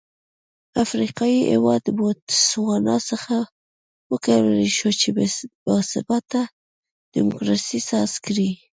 افریقايي هېواد بوتسوانا څنګه وکولای شول چې با ثباته ډیموکراسي ساز کړي.